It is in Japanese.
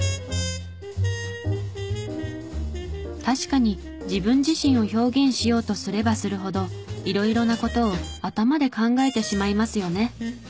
確かに自分自身を表現しようとすればするほど色々な事を頭で考えてしまいますよね。